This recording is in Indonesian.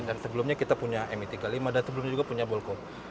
dan sebelumnya kita punya mi tiga puluh lima dan sebelumnya juga punya volco